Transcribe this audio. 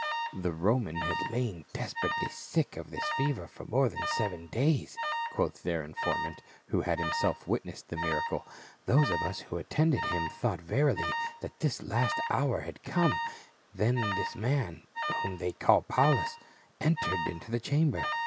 "The Roman had lain desperately sick of this fever for more than seven days," quoth their informant who had himself witnessed the miracle ;" those of us who attended him thought verily that his last hour had come, when this man — whom they call Paulus — entered into the chamber.